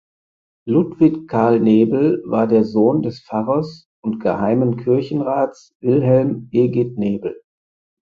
Ludwig Karl Nebel war der Sohn des Pfarrers und Geheimen Kirchenrats Wilhelm Egid Nebel.